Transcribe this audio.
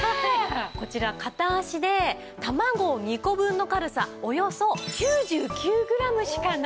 こちら片足で卵２個分の軽さおよそ９９グラムしかないんです！